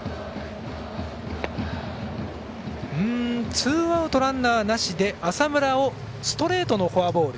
ツーアウトランナーなしで、浅村をストレートのフォアボール。